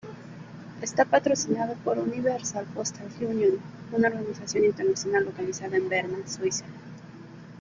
Está patrocinado por "Universal Postal Union", una organización internacional localizada en Berna, Suiza.